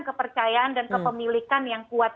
kepercayaan dan kepemilikan yang kuat